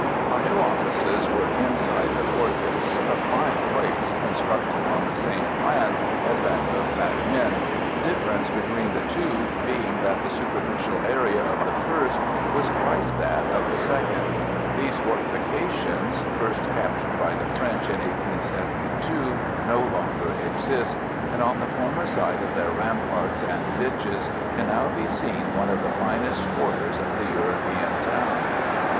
Our new offices were inside the fortress a fine place, constructed on the same plan as that of Bac Ninh, the difference between the two being that the superficial area of the first was twice that of the second. These fortifications, first captured by the French in 1872, no longer exist, and on the former site of their ramparts and ditches can now be seen one of the finest quarters of the European town.